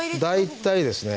大体ですね